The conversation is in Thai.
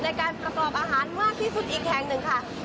ในการประกอบอาหารมากที่สุดอีกแห่งหนึ่งค่ะ